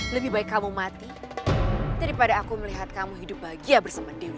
lebih baik kamu mati daripada aku melihat kamu hidup bahagia bersama diri